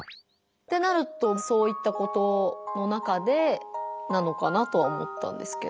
ってなるとそういったことの中でなのかなとは思ったんですけど。